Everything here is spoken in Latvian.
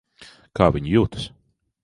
Kā viņa jūtas?